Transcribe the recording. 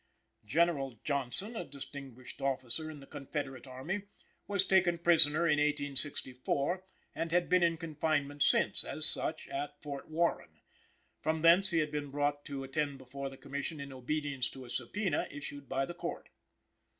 General Johnson, a distinguished officer in the Confederate Army, was taken prisoner in 1864 and had been in confinement since, as such, at Fort Warren. From thence he had been brought to attend before the Commission in obedience to a subpoena issued by the Court.